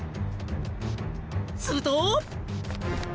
［すると］